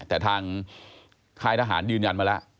แต่ทางค่ายทหารยืนยันมาแล้ว